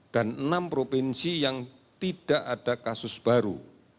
dan enam provinsi yang tidak ada kasus baru